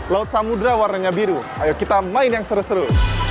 laut samudera warnanya biru ayo kita main yang seru seru